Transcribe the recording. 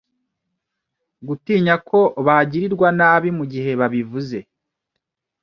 gutinya ko bagirirwa nabi mu gihe babivuze